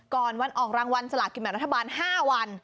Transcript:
ก่อนวันออกรางวัลสลากินแบบรัฐบาล๕วัน